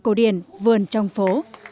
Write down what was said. cổ điển vườn trong phố